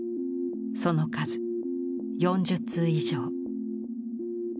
その数４０通以上。